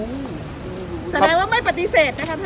แสดงว่าไม่ปฏิเสธนะครับท่าน